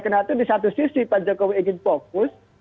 karena itu di satu sisi pak jokowi ingin fokus